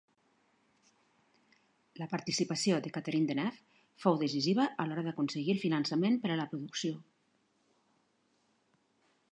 La participació de Catherine Deneuve fou decisiva a l'hora d'aconseguir el finançament per a la producció.